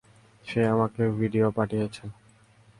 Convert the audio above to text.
সে আমাকে ভিডিও পাঠিয়েছে!